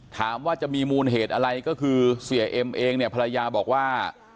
ถามว่าจะมีมูลเหตุอะไรก็คือเสียเอ็มเองเนี่ยภรรยาบอกว่า